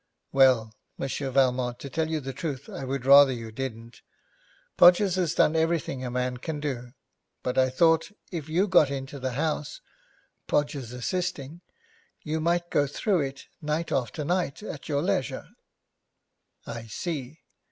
'Well, Monsieur Valmont, to tell you the truth, I would rather you didn't. Podgers has done everything a man can do, but I thought if you got into the house, Podgers assisting, you might go through it night after night at your leisure.' 'I see.